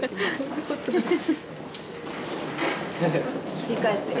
切り替えてね。